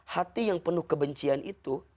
hati yang penuh kebencian itu